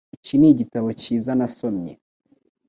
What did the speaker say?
Iki nigitabo cyiza nasomye.